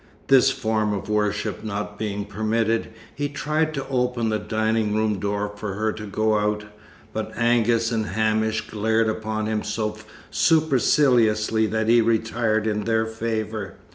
This form of worship not being permitted, he tried to open the dining room door for her to go out, but Angus and Hamish glared upon him so superciliously that he retired in their favour.